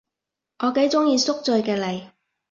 我幾鍾意宿醉嘅你